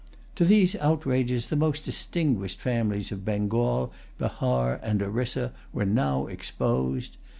To these outrages the most distinguished families of Bengal, Bahar, and Orissa, were now exposed.